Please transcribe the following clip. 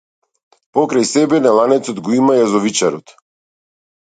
Покрај себе на ланец го има јазовичарот.